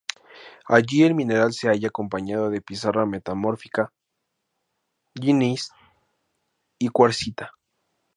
Allí el mineral se halla acompañado de pizarra metamórfica, gneis y cuarcita.